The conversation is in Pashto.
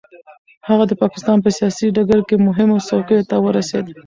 هغه د پاکستان په سیاسي ډګر کې مهمو څوکیو ته ورسېد.